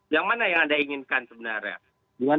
yang mana yang anda inginkan sebenarnya